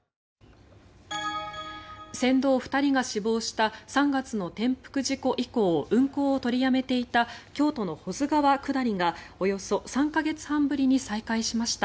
船頭２人が死亡した３月の転覆事故以降運航を取りやめていた京都の保津川下りがおよそ３か月半ぶりに再開しました。